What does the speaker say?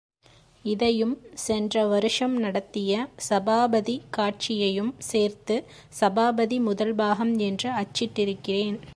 இதையும் சென்ற வருஷம் நடத்திய சபாபதி காட்சியையும் சேர்த்து சபாபதி முதல் பாகம் என்று அச்சிட்டிருக்கிறேன்.